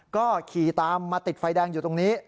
ก็ขี่ตามมาติดไฟแดงอยู่ตรงนี้